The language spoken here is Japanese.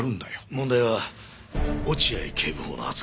問題は落合警部補の扱いです。